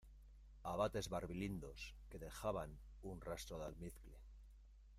abates barbilindos que dejaban un rastro de almizcle